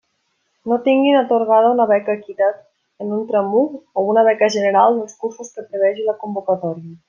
No tinguin atorgada una beca Equitat en un tram u o una beca general dels cursos que prevegi la convocatòria.